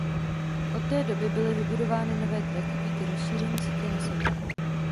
Od té doby byly vybudovány nové tratě díky rozšíření sítě na sever.